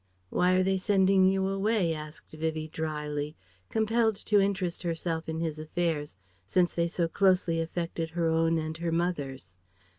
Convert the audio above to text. "Why are they sending you away?" asked Vivie drily, compelled to interest herself in his affairs since they so closely affected her own and her mother's.